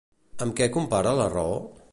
Amb què compara la raó?